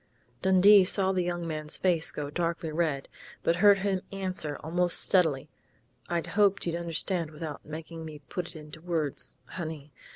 Dundee saw the young man's face go darkly red, but heard him answer almost steadily: "I hoped you'd understand without making me put it into words, honey....